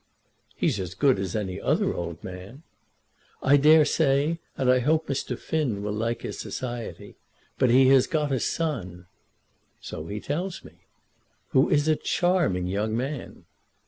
"He's as good as any other old man." "I dare say, and I hope Mr. Finn will like his society. But he has got a son." "So he tells me." "Who is a charming young man."